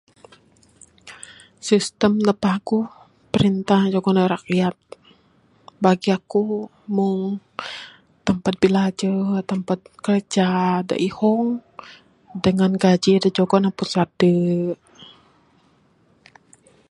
Sistem da paguh perintah jugon neg rakyat bagi aku meng tempat bilajar tempat kiraja da ihong dangan gaji da jugon aku Sade.